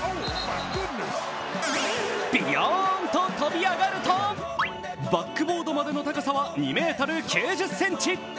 びよーんと跳び上がるとバックボードまでの高さは２ｍ９０ｃｍ。